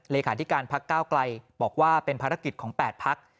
เลยหาธิการพกบอกว่าเป็นภารกิจของ๘ภักดิ์